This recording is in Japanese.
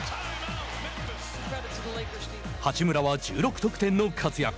八村は１６得点の活躍。